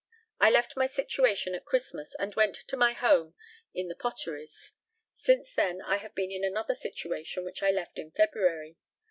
I left my situation at Christmas, and went to my home in the Potteries. Since then I have been in another situation, which I left in February.